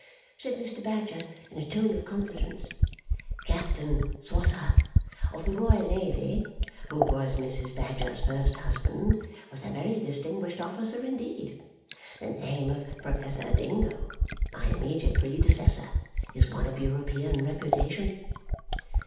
said Mr. Badger in a tone of confidence. "Captain Swosser of the Royal Navy, who was Mrs. Badger's first husband, was a very distinguished officer indeed. The name of Professor Dingo, my immediate predecessor, is one of European reputation."